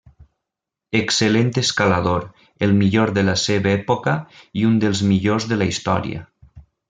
Excel·lent escalador, el millor de la seva època i un dels millors de la història.